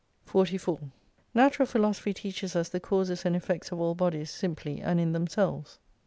44 Natural philosophy teaches us the causes and effects of all bodies simply and in themselves.